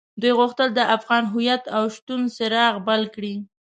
دوی غوښتل د افغان هويت او شتون څراغ بل کړي.